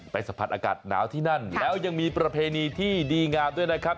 สัมผัสอากาศหนาวที่นั่นแล้วยังมีประเพณีที่ดีงามด้วยนะครับ